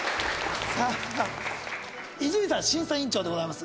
伊集院さん審査委員長でございます。